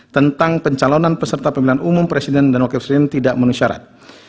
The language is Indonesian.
tentang pencalonan peserta pemilihan umum presiden dan wakil presiden tidak menu syarat